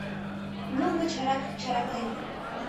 Нулго чарак чараклен